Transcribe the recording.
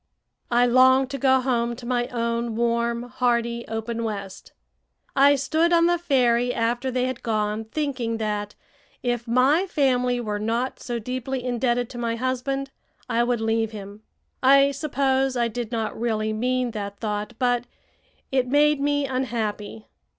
I longed to go home to my own warm, hearty, open West. I stood on the ferry after they had gone, thinking that, if my family were not so deeply indebted to my husband, I would leave him. I suppose I did not really mean that thought, but it made me unhappy.